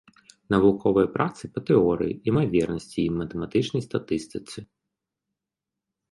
Навуковыя працы па тэорыі імавернасці і матэматычнай статыстыцы.